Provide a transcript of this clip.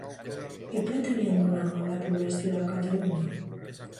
Què pretenien donar a la població de Catalunya?